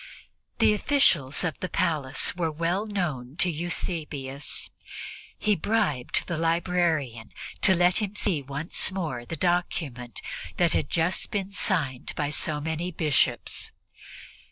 The officials of the palace were well known to Eusebius. He bribed the librarian to let him see once more the famous document that had just been signed by so many Bishops.